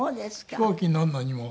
飛行機に乗るのにも。